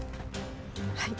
はい。